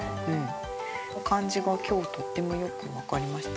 その感じが今日とってもよく分かりました。